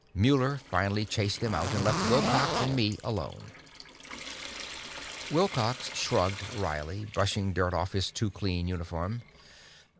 Muller finally chased them out, and left Wilcox and me alone. Wilcox shrugged wryly, brushing dirt off his too clean uniform.